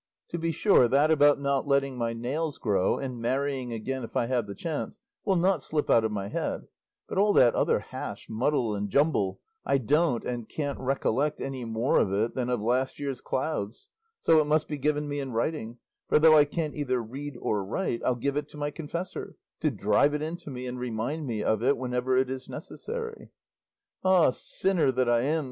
To be sure that about not letting my nails grow, and marrying again if I have the chance, will not slip out of my head; but all that other hash, muddle, and jumble I don't and can't recollect any more of it than of last year's clouds; so it must be given me in writing; for though I can't either read or write, I'll give it to my confessor, to drive it into me and remind me of it whenever it is necessary." "Ah, sinner that I am!"